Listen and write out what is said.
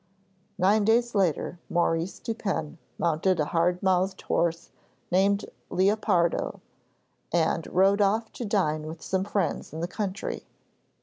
Nine days later Maurice Dupin mounted a hard mouthed horse named Leopardo, and rode off to dine with some friends in the country.